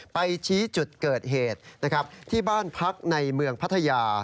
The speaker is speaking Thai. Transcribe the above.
ไปชี้จุดเกิดเหตุนะครับที่บ้านพักในเมืองพัทยา